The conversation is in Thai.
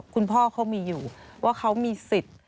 คุณพ่อเขามีอยู่ว่าเขามีสิทธิ์